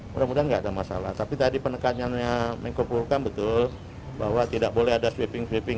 mudah mudahan enggak ada masalah tapi tadi penekanannya mengkopulkam betul bahwa tidak boleh ada sweeping sweeping